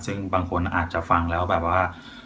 ซึ่งบางคนอาจจะฟังแล้วแบบว่า